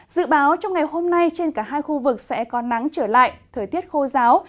dự báo trong ngày hôm nay trên cả hai khu vực sẽ có nắng trở lại thời tiết khô giáo